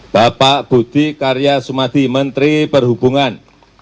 bapak budi karya sumadi menteri perhubungan